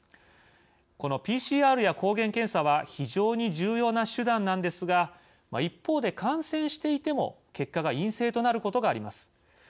このＰＣＲや抗原検査は非常に重要な手段なんですが一方で、感染していても結果が陰性となることがあります。